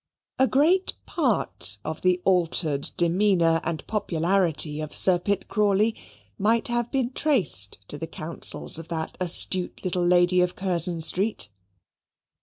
A great part of the altered demeanour and popularity of Sir Pitt Crawley might have been traced to the counsels of that astute little lady of Curzon Street.